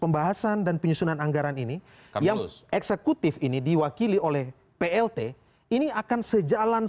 pembahasan dan penyusunan anggaran ini yang eksekutif ini diwakili oleh plt ini akan sejalan